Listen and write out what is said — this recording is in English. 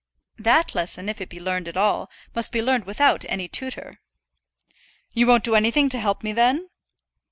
"That lesson, if it be learned at all, must be learned without any tutor." "You won't do anything to help me then?"